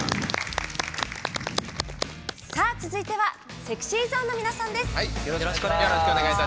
続いてはＳｅｘｙＺｏｎｅの皆さんです。